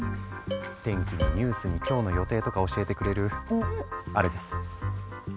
天気にニュースに今日の予定とか教えてくれるアレです。